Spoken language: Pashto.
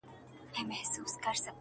هر نظر دي زما لپاره د فتنو دی،